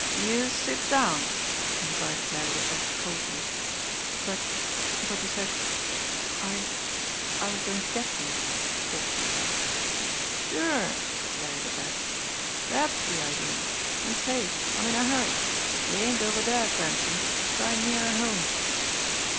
"Youse sit down!" invited Larry the Bat coldly. "But but you said I I was going to get them," faltered Virat. "Sure!" said Larry the Bat. "Dat's de idea! An', say, I'm in a hurry. Dey ain't over dere, Frenchy try nearer home!"